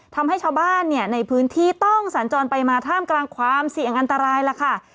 ทำให้ชาวบ้านเนี่ยในพื้นที่ต้องสัญจรไปมาท่ามกลางความเสี่ยงอันตรายล่ะค่ะ